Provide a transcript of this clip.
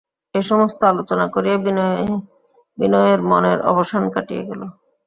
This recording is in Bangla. এই সমস্ত আলোচনা করিয়া বিনয়ের মনের অবসাদ কাটিয়া গেল।